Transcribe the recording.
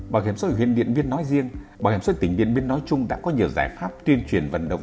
bảo hiểm xã hội huyện miệng miên nói riêng bảo hiểm xã hội tỉnh miệng miên nói chung đã có nhiều giải pháp tuyên truyền vận động